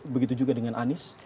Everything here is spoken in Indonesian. begitu juga dengan anis